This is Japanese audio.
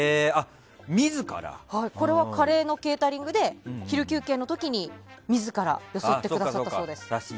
これはカレーのケータリングで昼休憩の時に自らよそってくださったそうです。